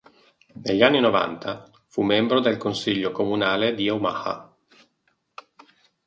Negli anni novanta fu membro del consiglio comunale di Omaha.